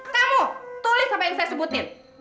kamu tulis apa yang saya sebutin